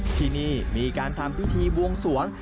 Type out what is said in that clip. ที่นี่มีการทำพิธีบวงสวง